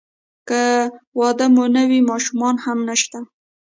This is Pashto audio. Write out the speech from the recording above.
که واده مو نه وي ماشومان هم نشته.